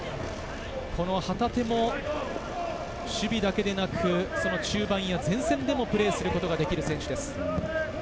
この旗手も守備だけでなく、中盤や前線でもプレーすることができる選手です。